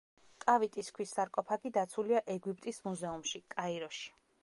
კავიტის ქვის სარკოფაგი დაცულია ეგვიპტის მუზეუმში, კაიროში.